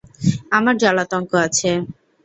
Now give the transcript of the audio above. আমার জলাতঙ্ক আছে।